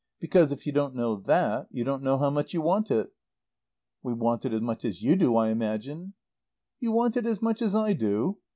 Because, if you don't know that, you don't know how much you want it." "We want it as much as you do, I imagine." "You want it as much as I do?